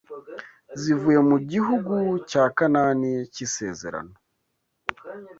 Zivuye mu gihugu cya Kanani cy,isezerano